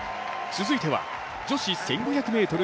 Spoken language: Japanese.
続いては女子１５００ｍ予選。